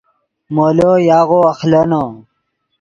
مولو یاغو اخلینو